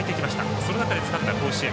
その中でつかんだ、甲子園。